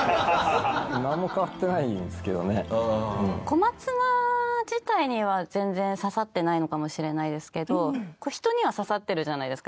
小松菜自体には全然刺さってないのかもしれないですけど人には刺さってるじゃないですか。